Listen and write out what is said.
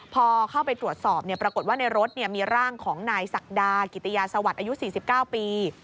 พอเข้าไปตรวจสอบปรากฏว่าในรถมีร่างของนายศักดากิติยาสวัสดิ์อายุ๔๙ปี